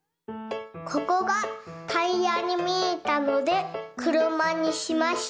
ここがタイヤにみえたのでくるまにしました。